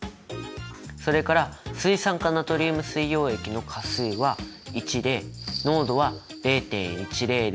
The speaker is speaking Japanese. それから水酸化ナトリウム水溶液の価数は１で濃度は０．１００ｍｏｌ／Ｌ。